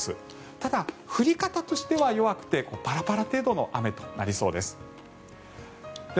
ただ、降り方としては弱くてパラパラ程度の雨になりそうです。